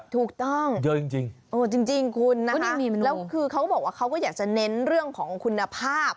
ถูกต้องเยอะจริงคุณนะแล้วคือเขาก็บอกว่าเขาก็อยากจะเน้นเรื่องของคุณภาพ